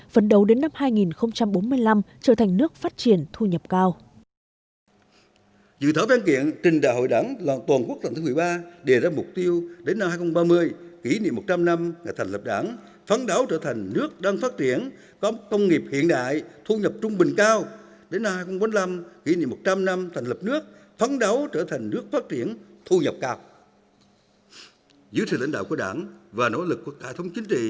phấn đấu đến năm hai nghìn bốn mươi năm trở thành nước phát triển thu nhập cao